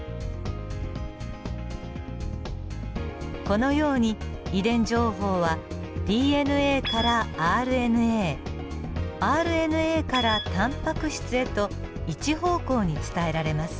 このように遺伝情報はＤＮＡからＲＮＡＲＮＡからタンパク質へと一方向に伝えられます。